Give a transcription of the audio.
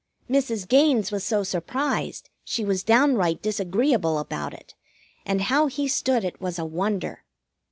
Mrs. Gaines was so surprised she was downright disagreeable about it, and how he stood it was a wonder.